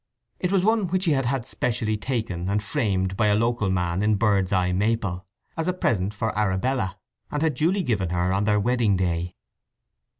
It was one which he had had specially taken and framed by a local man in bird's eye maple, as a present for Arabella, and had duly given her on their wedding day.